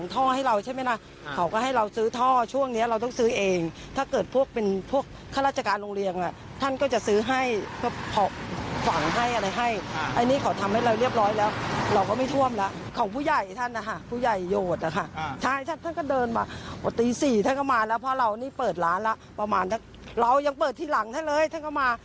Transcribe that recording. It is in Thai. ตีสี่เธอก็มาแหละเพราะเราเปิดร้านละ